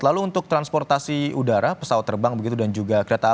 lalu untuk transportasi udara pesawat terbang begitu dan juga kereta api